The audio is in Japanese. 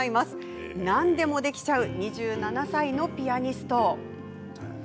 何でもできちゃう２７歳のピアニスト。